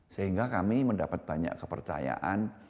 sehingga kami mendapat banyak kepercayaan